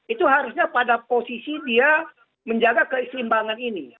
itu harusnya pada posisi dia menjaga keseimbangan ini